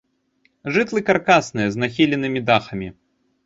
Жытлы каркасныя з нахіленымі дахамі.